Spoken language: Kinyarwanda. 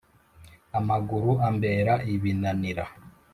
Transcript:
amaguru ambera ibinanira.